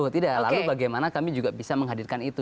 tidak lalu bagaimana kami juga bisa menghadirkan itu